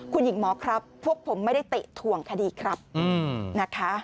คุณหญิงหมอครับพวกผมไม่ได้เตะถ่วงคดีครับนะคะ